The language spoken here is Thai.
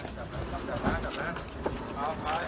สุดท้ายสุดท้ายสุดท้าย